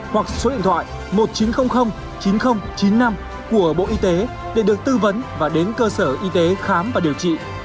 hoặc số điện thoại một nghìn chín trăm linh chín nghìn chín mươi năm của bộ y tế để được tư vấn và đến cơ sở y tế khám và điều trị